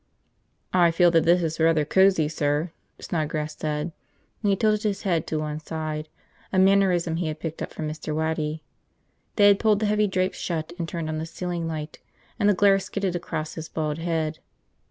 "I feel that this is rather cozy, sir," Snodgrass said, and he tilted his head to one side, a mannerism he had picked up from Mr. Waddy. They had pulled the heavy drapes shut and turned on the ceiling light, and the glare skidded across his bald head.